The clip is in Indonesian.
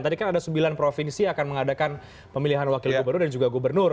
tadi kan ada sembilan provinsi yang akan mengadakan pemilihan wakil gubernur dan juga gubernur